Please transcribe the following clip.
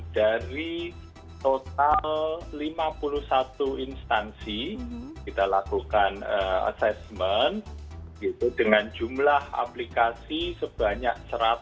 dari total lima puluh satu instansi kita lakukan assessment dengan jumlah aplikasi sebanyak satu ratus lima puluh